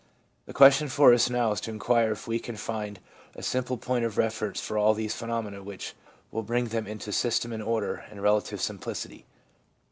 The question for us now is to inquire if we can find a simple point of reference for all these phenomena which will bring them into system and order and relative simplicity.